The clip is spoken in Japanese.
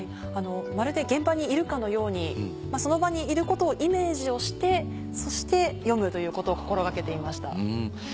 まるで現場にいるかのようにその場にいることをイメージをしてそして読むということを心掛けていました。